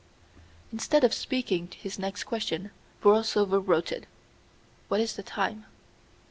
Instead of speaking his next question, Borlsover wrote it. "What is the time?"